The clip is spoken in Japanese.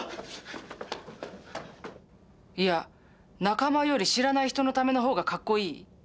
いや仲間より知らない人のための方がかっこいい？